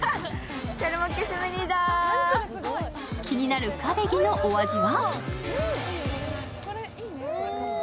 気になるクァベギのお味は？